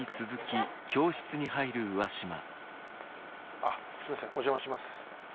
あすいませんお邪魔します。